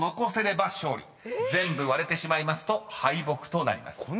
［全部割れてしまいますと敗北となります］